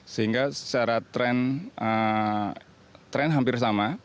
sehingga secara tren hampir sama